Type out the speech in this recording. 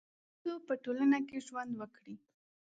تر څو په ټولنه کي ژوند وکړي